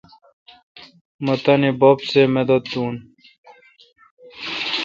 مہ تانی بب سہ مدد دون۔